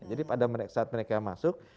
pada saat mereka masuk